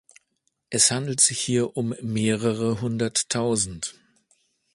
Es handelt sich hier um mehrere hunderttausend.